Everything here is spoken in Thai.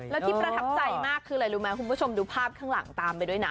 แล้วที่ประทับใจมากคืออะไรรู้ไหมคุณผู้ชมดูภาพข้างหลังตามไปด้วยนะ